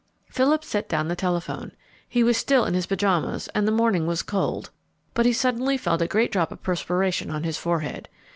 Philip set down the telephone. He was still in his pajamas and the morning was cold, but he suddenly felt a great drop of perspiration on his forehead.